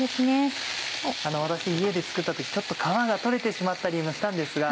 私家で作った時ちょっと皮が取れてしまったりしたんですが。